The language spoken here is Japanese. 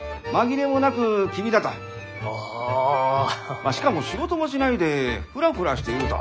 まあしかも仕事もしないでフラフラしていると。